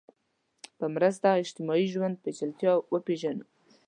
په مرسته اجتماعي ژوند پېچلتیا وپېژنو